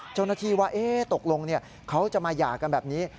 เจ้าหน้าที่ว่าตกลงเขาจะมาหย่ากันแบบนี้